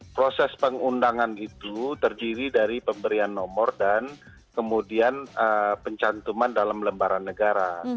proses pengundangan itu terdiri dari pemberian nomor dan kemudian pencantuman dalam lembaran negara